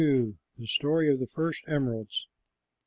THE STORY OF THE FIRST EMERALDS.